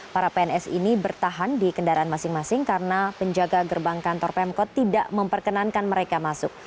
para pns ini bertahan di kendaraan masing masing karena penjaga gerbang kantor pemkot tidak memperkenankan mereka masuk